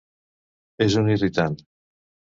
És un irritant.